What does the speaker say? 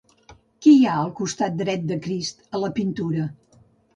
Qui hi ha al costat dret de Crist a la pintura?